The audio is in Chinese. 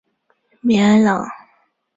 米埃朗。